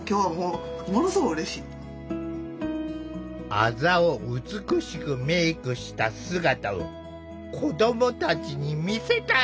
あざを美しくメークした姿を子どもたちに見せたい。